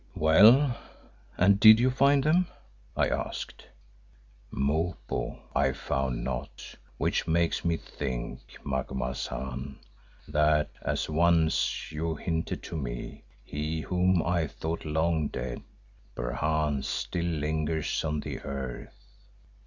"Well, and did you find them?" I asked. "Mopo I found not, which makes me think, Macumazahn, that, as once you hinted to me, he whom I thought long dead, perchance still lingers on the earth.